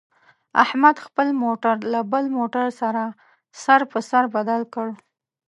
احمد خپل موټر له بل موټر سره سر په سر بدل کړ.